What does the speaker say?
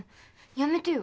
やめてよ！